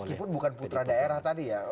meskipun bukan putra daerah tadi ya